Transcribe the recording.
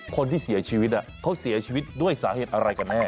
คนที่เสียชีวิตเขาเสียชีวิตด้วยสาเหตุอะไรกันแน่